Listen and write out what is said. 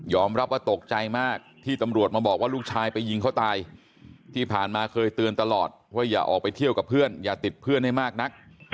รับว่าตกใจมากที่ตำรวจมาบอกว่าลูกชายไปยิงเขาตายที่ผ่านมาเคยเตือนตลอดว่าอย่าออกไปเที่ยวกับเพื่อนอย่าติดเพื่อนให้มากนัก